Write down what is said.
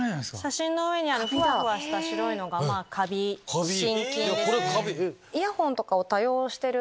写真の上にあるふわふわした白いのがカビ真菌。